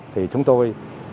thì chúng tôi